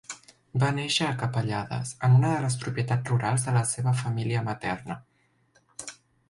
Va néixer a Capellades, en una de les propietats rurals de la seva família materna.